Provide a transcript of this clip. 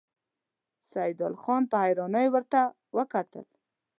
سيدال خان په حيرانۍ ورته وکتل.